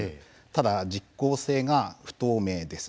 ただ、実行性が不透明です。